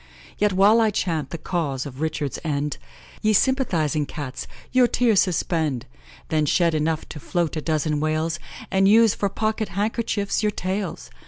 Yet while I chant the cause of Richard's end, Ye sympathising Cats, your tears suspend! Then shed enough to float a dozen whales, And use for pocket handkerchiefs your tails!